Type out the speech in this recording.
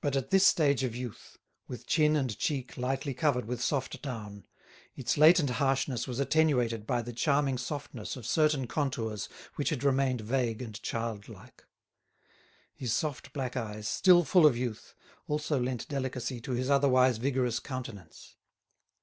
But at this stage of youth, with chin and cheek lightly covered with soft down, its latent harshness was attenuated by the charming softness of certain contours which had remained vague and childlike. His soft black eyes, still full of youth, also lent delicacy to his otherwise vigorous countenance.